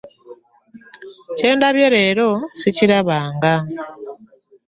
Kyendabye leero sikirabangako.